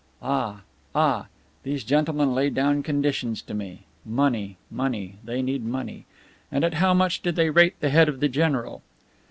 "Ah, ah! These gentlemen lay down conditions to me! Money. Money. They need money. And at how much do they rate the head of the general?"